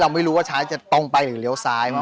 ชื่องนี้ชื่องนี้ชื่องนี้ชื่องนี้ชื่องนี้